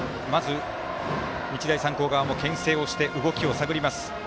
日大三高側もけん制をして動きを探ります。